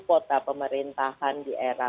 kota pemerintahan di era